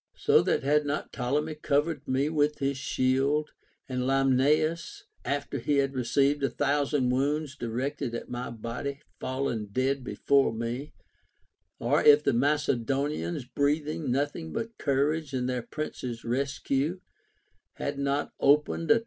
So that had not Ptolemy cov ered me with his shield, and Limnaeus, after he had received a thousand wounds directed at my body, fallen dead before me ; or if the Macedonians, breathing nothing but courage and their prince's rescue, had not opened a OF ALEXANDER THE GREAT.